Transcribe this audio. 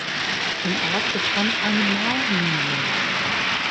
Im Ort bestand eine Mahlmühle.